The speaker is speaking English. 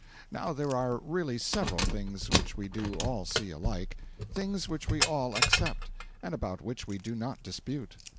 Now there are really several things which we do all see alike; things which we all accept, and about which we do not dispute.